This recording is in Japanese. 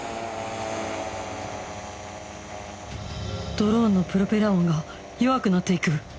ドローンのプロペラ音が弱くなって行く